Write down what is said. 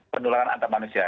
pendulangan antar manusia